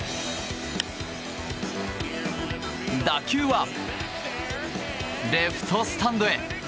打球はレフトスタンドへ。